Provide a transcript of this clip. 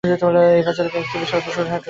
এই বাজারে একটি বিশাল পশুর হাট রয়েছে।